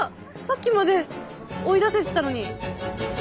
さっきまで追い出せてたのに！